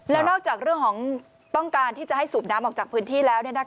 แล้วนอกจากเรื่องของต้องการที่จะให้สูบน้ำออกจากพื้นที่แล้ว